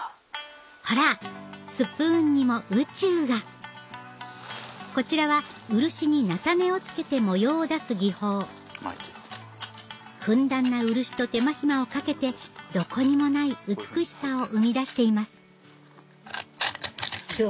ほらスプーンにも宇宙がこちらは漆に菜種を付けて模様を出す技法ふんだんな漆と手間暇を掛けてどこにもない美しさを生み出していますどう？